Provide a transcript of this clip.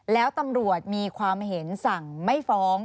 แล้วตำรวจมีความเห็นสั่งไม่ฟ้อง